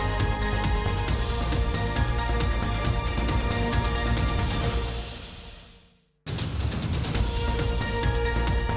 โปรดติดตามตอนต่อไป